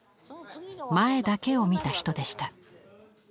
前だけを見た人でした。